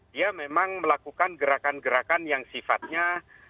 dia memang melakukan gerakan gerakan yang sifatnya